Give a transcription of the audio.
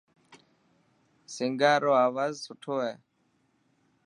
سنگار رو آواز سٺو هي.